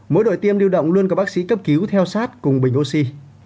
mỗi đội tiêm lưu động luôn có bác sĩ cấp cứu theo sát cùng bình oxy